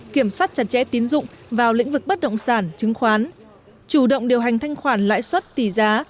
kiểm soát chặt chẽ tín dụng vào lĩnh vực bất động sản chứng khoán chủ động điều hành thanh khoản lãi suất tỷ giá